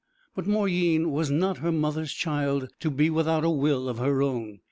But Mauryeen was not her mother's child to be without a will of her own.